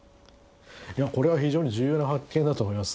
これは非常に重要な発見だと思います。